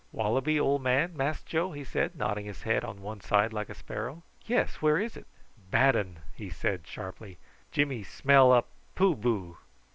"Wallaby ole man, Mass Joe?" he said, nodding his head on one side like a sparrow. "Yes; where is it?" "Bad un!" he said sharply. "Jimmy smell up poo boo!